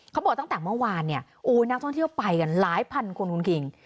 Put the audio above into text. เขาบอกตั้งแต่เมื่อวานเนี่ยโอ้ยนักท่องเที่ยวไปกันหลายพันคนคุณคิง